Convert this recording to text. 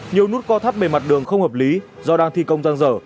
nhiều nút co thắp bề mặt đường không hợp lý do đang thi công răng rở